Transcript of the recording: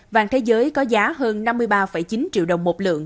vàng thế giới có giá hơn năm mươi ba chín triệu đồng một lượng